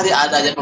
terus sayaitsu dua